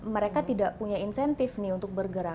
mereka tidak punya insentif nih untuk bergerak